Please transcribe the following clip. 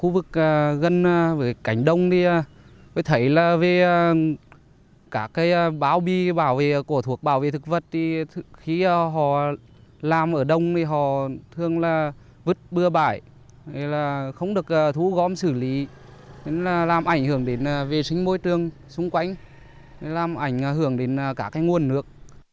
vứt bừa bãi không được thu gom xử lý làm ảnh hưởng đến vệ sinh môi trường xung quanh làm ảnh hưởng đến cả nguồn nước